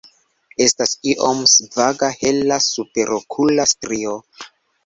Estas iom svaga hela superokula strio.